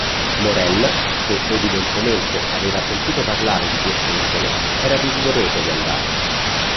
Morrell, che evidentemente aveva sentito parlare di queste isole, era desideroso di andarci.